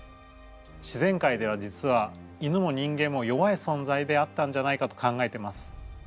自然界では実は犬も人間も弱いそんざいであったんじゃないかと考えてます。